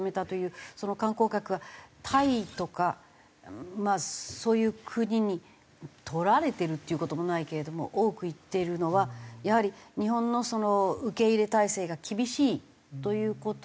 その観光客がタイとかまあそういう国に取られてるっていう事もないけれども多く行っているのはやはり日本の受け入れ態勢が厳しいという事が大きいんですか？